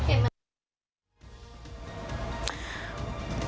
อ่านโต๊ะไหนอ่ะ